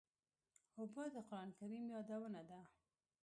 اوبه د قرآن کریم یادونه ده.